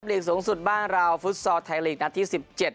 ลิงก์สูงสุดบ้างราวฟุตซอร์ทไทยลิงก์นาที๑๗